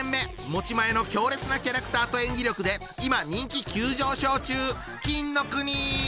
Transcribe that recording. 持ち前の強烈なキャラクターと演技力で今人気急上昇中！